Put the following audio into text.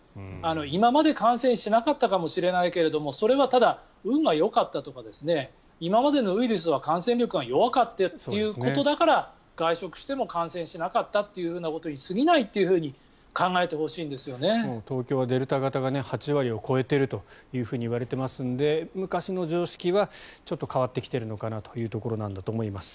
今まで感染しなかったかもしれないけどそれはただ、運がよかったとか今までのウイルスは感染力が弱くてっていうことだから外食しても感染しなかったということに過ぎないと東京はデルタ型が８割を超えているといわれていますので昔の常識は変わってきているのかなというところなのかなと思います。